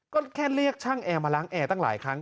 ก็แค่เรียกช่างแอร์มาล้างแอร์ตั้งหลายครั้ง